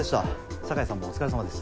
坂居さんもお疲れさまです。